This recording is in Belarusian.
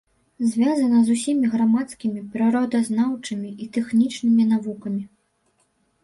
Звязана з усімі грамадскімі, прыродазнаўчымі і тэхнічнымі навукамі.